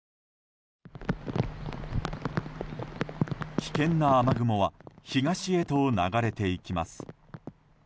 危険な雨雲は東へと流れていきます。